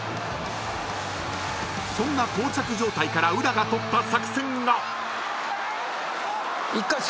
［そんな膠着状態から宇良が取った作戦が］